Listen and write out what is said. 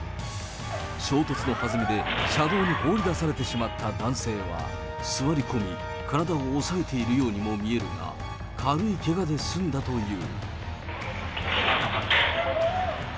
衝突のはずみで車道に放り出されてしまった男性は、座り込み、体を押さえているようにも見えるが、軽いけがで済んだという。